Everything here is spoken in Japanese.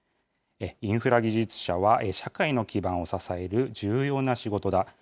インフラ技術者は、社会の基盤を支える重要な仕事だ。